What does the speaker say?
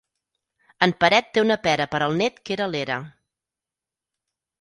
En Peret té una pera per al net que era a l'era.